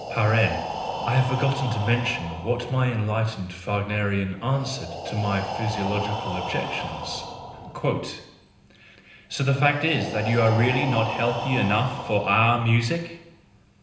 .. (I have forgotten to mention what my enlightened Wagnerian answered to my physiological objec¬ tions :" So the fact is that you are really not healthy enough for our music